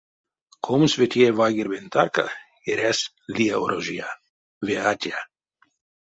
Комсьветее вайгельбень тарка эрясь лия орожия, ве атя.